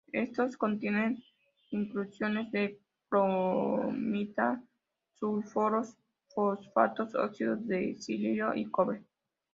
Estos contienen inclusiones de cromita, sulfuros, fosfatos, óxidos de silicio y cobre.